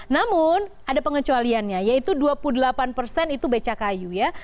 namun ada pengecualiannya yaitu dua puluh delapan persen itu beca kayu ya